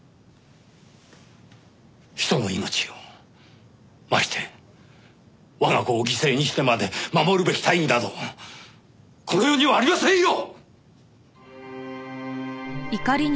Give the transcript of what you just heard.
人の命をまして我が子を犠牲にしてまで守るべき大義などこの世にはありませんよ！